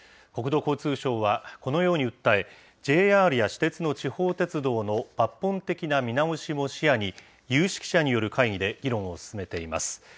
国土交通省はこのように訴え、ＪＲや私鉄の地方鉄道の抜本的な見直しも視野に、有識者による会議で議論を進めています。